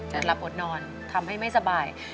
จะรับอดนอนทำให้ไม่สบาย